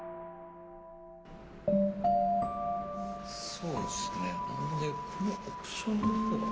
そうっすねでこのオプションの方。